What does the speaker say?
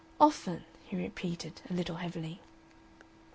"Often," he repeated, a little heavily.